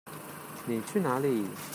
妳去哪裡？